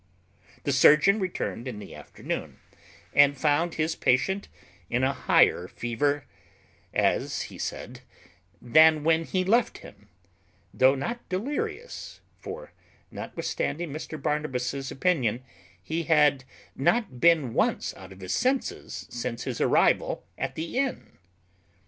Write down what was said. The surgeon returned in the afternoon, and found his patient in a higher fever, as he said, than when he left him, though not delirious; for, notwithstanding Mr Barnabas's opinion, he had not been once out of his senses since his arrival at the inn.